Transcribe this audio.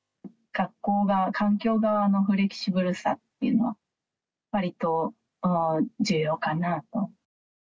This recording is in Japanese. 学校側、環境側のフレキシブルさっていうのは、わりと重要かなと。